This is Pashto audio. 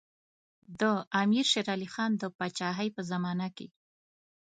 د امیر شېر علي خان د پاچاهۍ په زمانه کې.